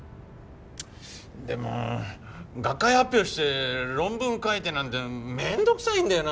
でも学会発表して論文書いてなんて面倒くさいんだよな。